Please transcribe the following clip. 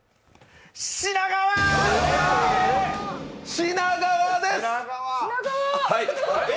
品川です！